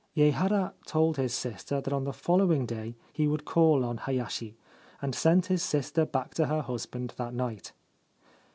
Yehara told his sister that on the following day he would call on Hayashi, and sent his sister back to her husband that night.